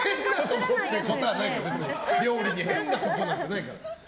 料理に変なところなんてないから。